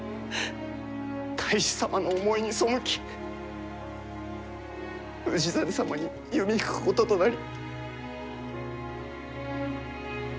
太守様の思いに背き氏真様に弓引くこととなり。